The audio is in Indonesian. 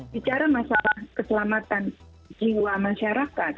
bicara masalah keselamatan jiwa masyarakat